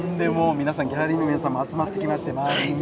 ギャラリーの皆さんも集まってきまして、周りに。